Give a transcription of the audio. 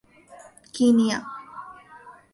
Kenya